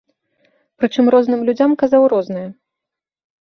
Прычым розным людзям казаў рознае.